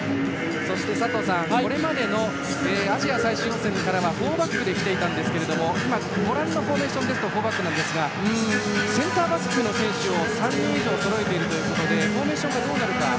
そしてこれまでのアジア最終予選からはフォーバックできていましたが今、ご覧のフォーメーションだとフォーバックですがセンターバックの選手を３人以上そろえているということでフォーメーションがどうなるか。